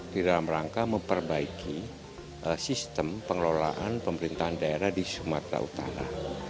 di dalam rangka memperbaiki sistem pengelolaan pemerintahan daerah di sumatera utara